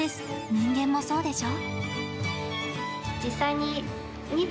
人間もそうでしょ？